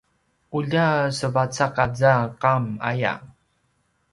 ulja sevacaq aza qam aya